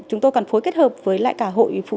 chúng tôi còn phối kết hợp với lại cả hội phụ